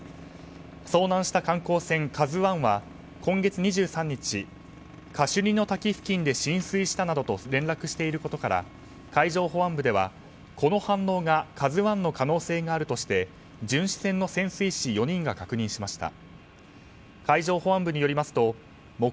遭難した観光船「ＫＡＺＵ１」は今月２３日カシュニの滝付近で浸水したなどと連絡していることから海上保安部では、この反応が「ＫＡＺＵ１」の可能性があるとして巡視船の潜水士４人が確認しました。